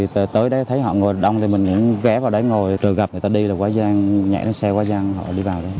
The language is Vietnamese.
rồi gặp người ta đi là quá gian nhảy đến xe quá gian họ đi vào đó